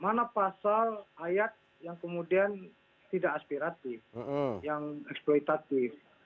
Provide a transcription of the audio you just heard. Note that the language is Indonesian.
mana pasal ayat yang kemudian tidak aspiratif yang eksploitatif